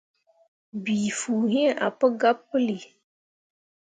Bii fuu iŋ ah pu gabe puli.